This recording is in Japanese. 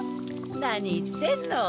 何言ってんの。